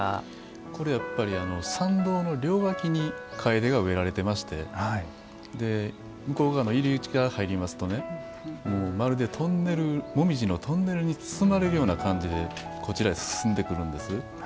これ参道の両脇にカエデが植えられていまして向こう側の入り口から入りますとまるで、モミジのトンネルに包まれるような感じでこちらへ進んでくるんです。